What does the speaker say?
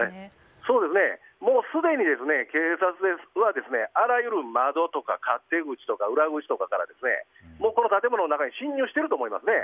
すでに警察はあらゆる窓とか勝手口とか裏口とかからこの建物の中に侵入していると思いますね。